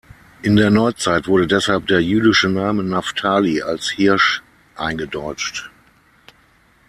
In der Neuzeit wurde deshalb der jüdische Name Naftali als "Hirsch" eingedeutscht.